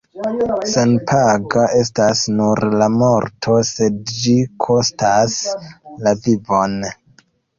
Senpaga estas nur la morto, sed ĝi kostas la vivon.